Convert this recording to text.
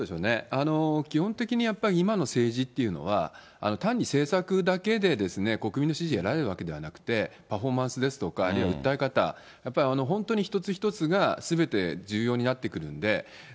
基本的にやっぱり今の政治っていうのは、単に政策だけで国民の支持得られるわけではなくて、パフォーマンスですとか、あるいは訴え方、やっぱり本当に一つ一つがすべて重要になってくるんで。